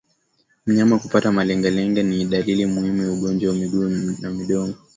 Mnyama kupata malengelenge ni dalili muhimu ya ugonjwa wa miguu na midomo